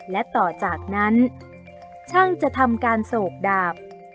และต่อจากนั้นช่างจะทำการโศกดาบ